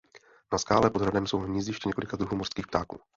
Na skále pod hradem jsou hnízdiště několika druhů mořských ptáků.